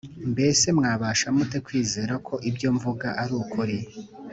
Mbese mwabasha mute kwizera ko ibyo mvuga arukuri